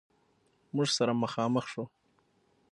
موږ سره مخامخ شو.